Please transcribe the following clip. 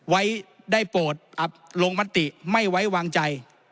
ไว้ได้โปรดอับลงมติไม่ไว้วางใจ